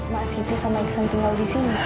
ma siti sama iksan tinggal disini